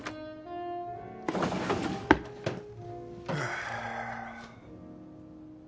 ああ。